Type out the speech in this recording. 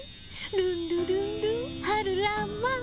ルンルルンルン春らんまん。